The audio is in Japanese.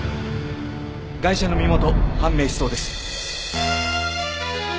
ガイシャの身元判明しそうです。